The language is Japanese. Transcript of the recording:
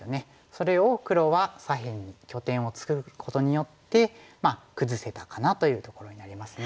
それを黒は左辺に拠点を作ることによって崩せたかなというところになりますね。